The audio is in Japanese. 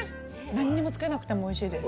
なんにも付けなくても美味しいです。